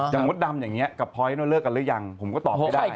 มดดำอย่างนี้กับพลอยเลิกกันหรือยังผมก็ตอบไม่ได้